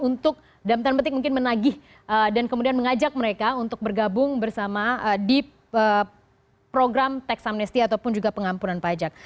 untuk dalam tanda petik mungkin menagih dan kemudian mengajak mereka untuk bergabung bersama di program tax amnesty ataupun juga pengampunan pajak